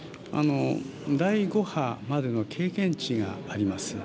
第５波までの経験値があります。